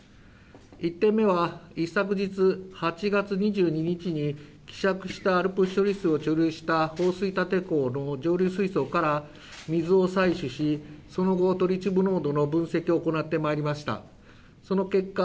１点目は一昨日８月２２日に、希釈したしたＡＬＰＳ処理水を貯留した立て坑の上流水槽から水を採取しその後、トリチウム濃度の分析を行ってまいりました。